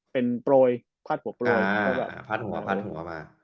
เป็นปลวยผลาดหูวัว